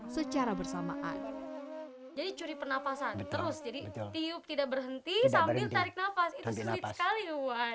secara bersamaan jadi curi penapasan terus jadi tiup tidak berhenti sambil tarik nafas itu sulit sekali buat